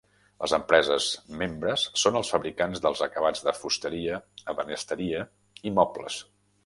Les empreses membres són els fabricants dels acabats de fusteria, ebenisteria i mobles.